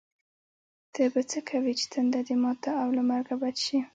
ته به څه کوې چې تنده دې ماته او له مرګه بچ شې.